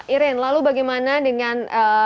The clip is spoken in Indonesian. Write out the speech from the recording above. irene lalu bagaimana dengan